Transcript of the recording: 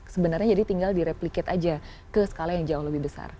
sebenarnya jadi tinggal direplicate aja ke skala yang jauh lebih besar